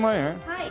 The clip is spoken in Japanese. はい。